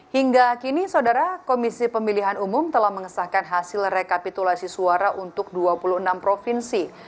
hingga kini saudara komisi pemilihan umum telah mengesahkan hasil rekapitulasi suara untuk dua puluh enam provinsi